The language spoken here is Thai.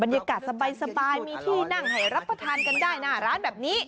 บรรยากาศสบายมีที่นั่งให้รับประทานกันได้นะร้านแบบนี้